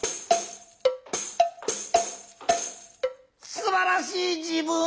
すばらしい自分！